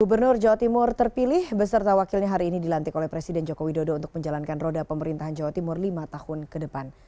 gubernur jawa timur terpilih beserta wakilnya hari ini dilantik oleh presiden joko widodo untuk menjalankan roda pemerintahan jawa timur lima tahun ke depan